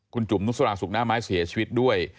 คุณจุ๋มนุษราสุกหน้าไม้เสียชีวิตด้วย